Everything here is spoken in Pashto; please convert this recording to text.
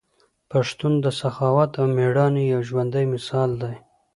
پښتون د سخاوت او ميړانې یو ژوندی مثال دی.